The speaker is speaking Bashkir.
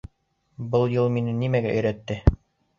Был йыл мине нимәгә өйрәтте?